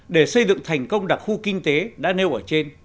để xây dựng thành công đặc khu kinh tế đã nêu ở trên